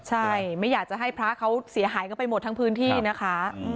ใช่ไม่อยากจะให้พระเขาเสียหายกันไปหมดทั้งพื้นที่นะคะ